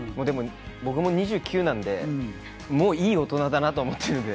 僕も２９なんで、もういい大人だなと思ってるんで。